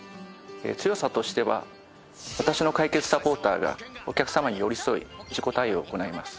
強さとしては「わたしの解決サポーター」がお客様に寄り添い事故対応を行います。